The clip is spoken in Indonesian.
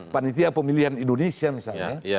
panitia pemilihan indonesia misalnya